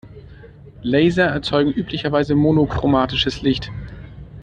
Laser erzeugen üblicherweise monochromatisches Licht.